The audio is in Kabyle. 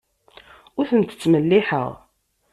Ur tent-ttmelliḥeɣ.